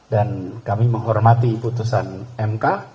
dan kami menghormati putusan mk